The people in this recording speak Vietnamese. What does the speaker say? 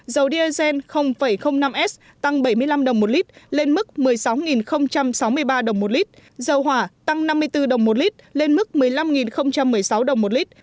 dầu diesel năm s tăng bảy mươi năm đồng một lít lên mức một mươi sáu sáu mươi ba đồng một lít dầu hỏa tăng năm mươi bốn đồng một lít lên mức một mươi năm một mươi sáu đồng một lít